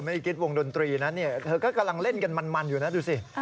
ไม่ได้กินวงดนตรีนะเท้ากำลังเล่นกันมันอยู่นะดูสิ